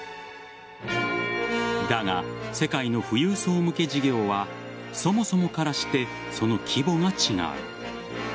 だが、世界の富裕層向け事業はそもそもからしてその規模が違う。